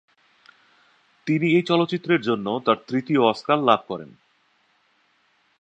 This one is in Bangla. তিনি এই চলচ্চিত্রের জন্য তার তৃতীয় অস্কার লাভ করেন।